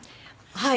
はい。